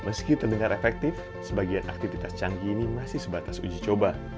meski terdengar efektif sebagian aktivitas canggih ini masih sebatas uji coba